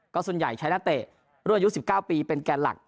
ก็ส่วนใหญ่ใช้นักเตะรุ่นอายุ๑๙ปีเป็นแกนหลัก